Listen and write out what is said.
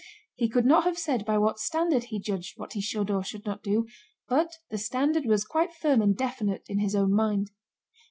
He could not have said by what standard he judged what he should or should not do, but the standard was quite firm and definite in his own mind.